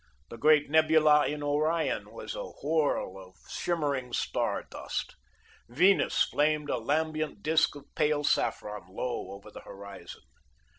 The great nebula in Orion was a whorl of shimmering star dust. Venus flamed a lambent disk of pale saffron, low over the horizon.